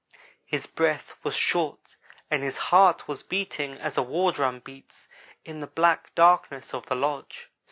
His breath was short and his heart was beating as a war drum beats, in the black dark of the lodge.